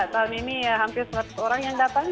tahun ini ya hampir seratus orang yang datang